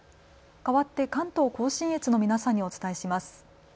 かわって関東甲信越の皆さんにお伝えします。